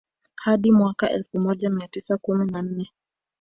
Hadi mwaka elfu moja mia tisa kumi na nne